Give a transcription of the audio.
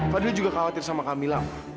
fadil juga khawatir sama kamila